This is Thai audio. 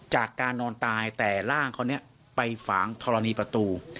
จากการนอนตายแต่ร่างเขาเนี่ยไปฝางธรณีประตู